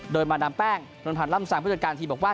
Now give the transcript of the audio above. โดยมาดามแป้งนวลพันธ์ล่ำสังผู้จัดการทีมบอกว่า